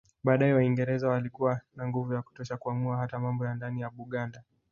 Baadaye Waingereza walikuwa na nguvu ya kutosha kuamua hata mambo ya ndani ya Buganda